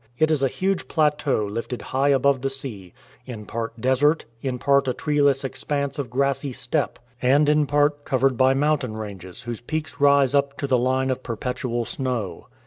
It is a huge plateau lifted high above the sea, in part desert, in part a treeless expanse of grassy steppe, and in part iS MONGOLIA covered by mountain ranges whose peaks rise up to the line of perpetual snow.